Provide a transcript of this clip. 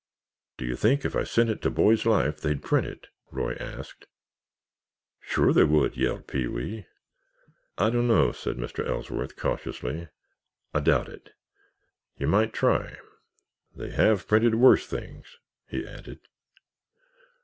"Do you think if I sent it to Boys' Life they'd print it?" Roy asked. "Sure, they would!" yelled Pee wee. "I don't know," said Mr. Ellsworth, cautiously. "I doubt it. You might try. They have printed worse things," he added.